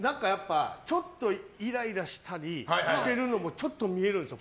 イライラしたりしているのもちょっと見えるんですよ。